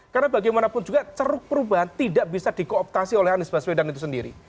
karena bagaimanapun juga ceruk perubahan tidak bisa dikooptasi oleh anies baswedan itu sendiri